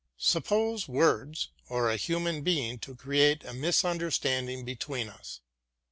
Suppose words or a human being to create a misunderstanding between us!